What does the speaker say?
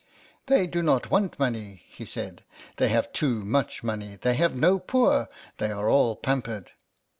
" They do not want money," he said ;" they have too much money. They have no poor. They are all pampered."